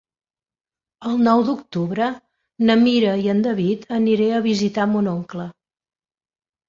El nou d'octubre na Mira i en David aniré a visitar mon oncle.